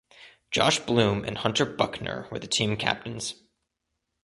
Josh Bloom and Hunter Buckner were the team captains.